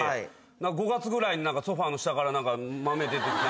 ５月ぐらいにソファの下から豆出てきて。